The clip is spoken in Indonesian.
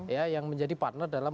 ya yang menjadi partner dalam